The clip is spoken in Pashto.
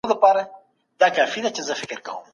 هیواد چلونه د ډیرو هڅو او کوښښونو پایله ده.